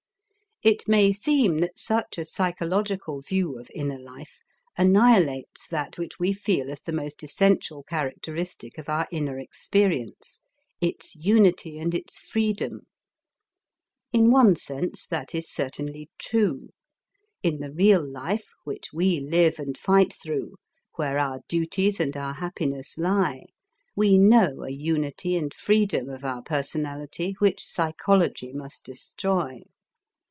It may seem that such a psychological view of inner life annihilates that which we feel as the most essential characteristic of our inner experience, its unity and its freedom. In one sense that is certainly true. In the real life which we live and fight through, where our duties and our happiness lie, we know a unity and freedom of our personality which psychology must destroy.